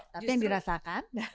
tapi yang dirasakan